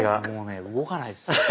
もうね動かないですよ。